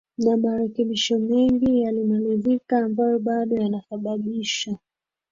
na marekebisho mengi yalimalizika ambayo bado yanasababisha